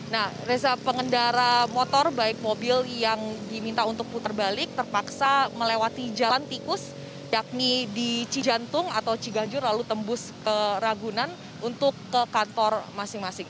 nah reza pengendara motor baik mobil yang diminta untuk putar balik terpaksa melewati jalan tikus yakni di cijantung atau ciganjur lalu tembus ke ragunan untuk ke kantor masing masing